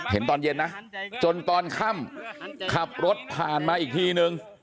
เห็นตอนเย็นนะจนตอนค่ำขับรถผ่านมาอีกทีนึง